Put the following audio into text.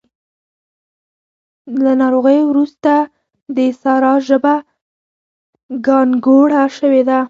له ناروغۍ روسته د سارا ژبه ګانګوړه شوې ده.